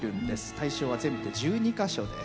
対象は全部で１２か所です。